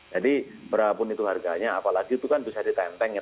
jadi berapun itu harganya apalagi itu kan bisa ditenteng ya